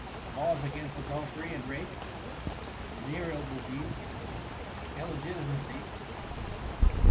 Laws against Adultery and Rape. Venereal Disease. Illegitimacy.